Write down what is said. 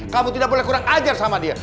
kamu tidak boleh kurang ajar sama dia